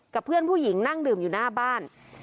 กับเพื่อนผู้หญิงนั่งดื่มอยู่หน้าบ้าน